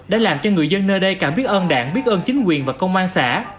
đã làm cho người dân nơi đây cảm biết ơn đảng biết ơn chính quyền và công an xã